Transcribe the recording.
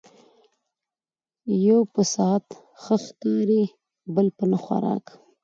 ـ يو په سعت ښه ښکاري بل په نه خوراک